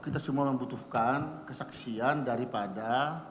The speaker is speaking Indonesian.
kita semua membutuhkan kesaksian daripada